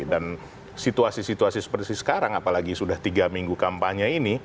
dan situasi situasi seperti sekarang apalagi sudah tiga minggu kampanye ini